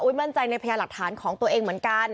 มั่นใจในพยาหลักฐานของตัวเองเหมือนกัน